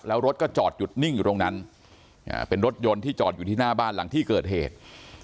แล้วรถก็จอดหยุดนิ่งอยู่ตรงนั้นเป็นรถยนต์ที่จอดอยู่ที่หน้าบ้านหลังที่เกิดเหตุ